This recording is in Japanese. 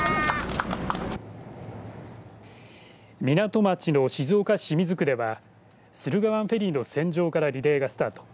港町の静岡市清水区では駿河湾フェリーの船上からリレーがスタート。